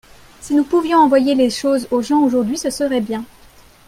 si nous pouvions envoyer les choses aux gens aujourd'hui ce serait bien.